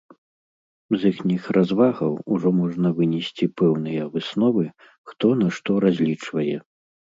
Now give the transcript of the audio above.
З іхніх развагаў ужо можна вынесці пэўныя высновы, хто на што разлічвае.